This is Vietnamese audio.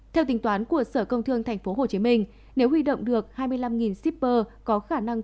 theo tính toán của sở công thương tp hcm nếu huy động được hai mươi năm shipper có khả năng